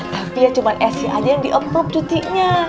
tapi ya cuma esc aja yang di approve cutinya